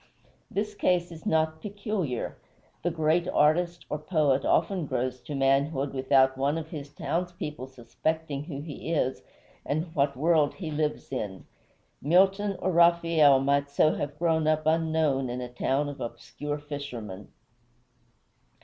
This case is not peculiar. The great artist or poet often grows to manhood without one of his townspeople suspecting who he is, and what world he lives in. Milton or Raphael might so have grown up unknown in a town of obscure fishermen.